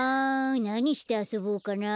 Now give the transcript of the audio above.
なにしてあそぼうかな？